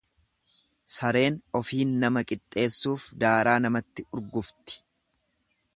Sareen ofiin nama qixxeessuuf daaraa namatti urgufti.